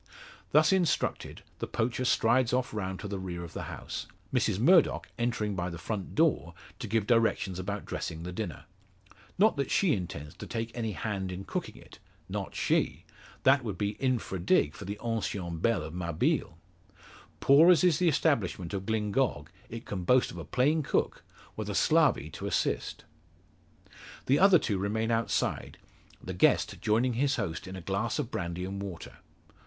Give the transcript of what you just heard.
Thus instructed, the poacher strides off round to the rear of the house; Mrs Murdock entering by the front door to give directions about dressing the dinner. Not that she intends to take any hand in cooking it not she. That would be infra dig for the ancien belle of Mabille. Poor as is the establishment of Glyngog, it can boast of a plain cook, with a slavey to assist. The other two remain outside, the guest joining his host in a glass of brandy and water.